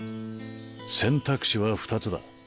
選択肢は２つだ。